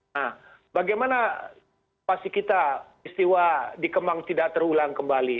nah bagaimana situasi kita peristiwa di kemang tidak terulang kembali